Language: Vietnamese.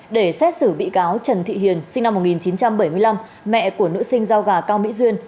để xét xử bị cáo trần thị hiền sinh năm một nghìn chín trăm bảy mươi năm mẹ của nữ sinh rau gà cao mỹ duyên